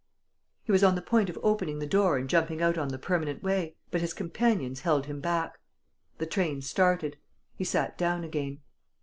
He was on the point of opening the door and jumping out on the permanent way. But his companions held him back. The train started. He sat down again.